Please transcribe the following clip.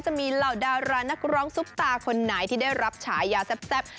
จะมีเหล่าดารานักร้องซุปตาคนไหนที่ได้รับฉายาแซ่บ